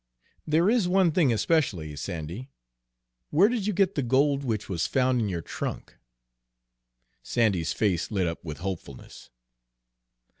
There is one thing especially, Sandy: where did you get the gold which was found in your trunk?" Sandy's face lit up with hopefulness.